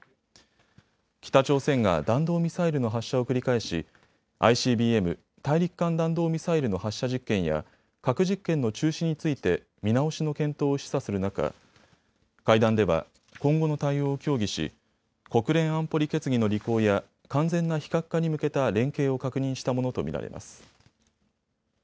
北朝鮮が弾道ミサイルの発射を繰り返しＩＣＢＭ・大陸間弾道ミサイルの発射実験や核実験の中止について見直しの検討を示唆する中、会談では今後の対応を協議し国連安保理決議の履行や完全な非核化に向けた連携を確認したものと見られます。